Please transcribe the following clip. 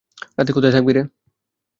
রাতে কোথায় থাকবি?